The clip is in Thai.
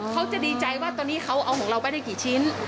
เขาจะดีใจว่าตอนนี้เขาเอาของเราไปได้กี่ชิ้น